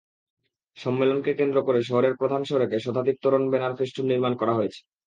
সম্মেলনকে কেন্দ্র করে শহরের প্রধান সড়কে শতাধিক তোরণ, ব্যানার-ফেস্টুন নির্মাণ করা হয়েছে।